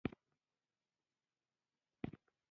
مولوي بشیر د لاهور اوسېدونکی دی.